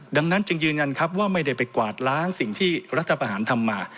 ดังนั้นจึงยืนยันครับว่าไม่ได้ไปกวาดล้างสิ่งที่รัฐประหารทำมา